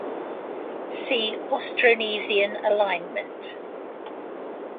See Austronesian alignment.